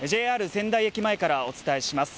仙台駅前からお伝えします。